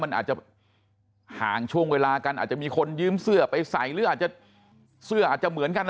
มันอาจจะห่างช่วงเวลากันอาจจะมีคนยืมเสื้อไปใส่หรืออาจจะเสื้ออาจจะเหมือนกัน